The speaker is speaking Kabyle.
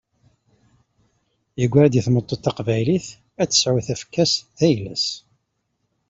Yegra-d i tmeṭṭut taqbaylit, ad tesεu tafekka-s d ayla-s.